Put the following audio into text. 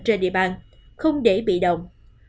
trên địa bàn không để bị động